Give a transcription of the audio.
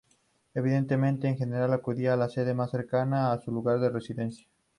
Evidentemente, en general acudían a la sede más cercana a sus lugares de residencia.